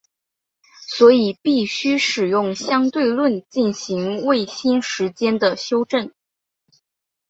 所以必须使用相对论进行卫星时间的修正。